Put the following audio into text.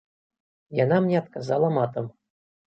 Яна мне адказала матам.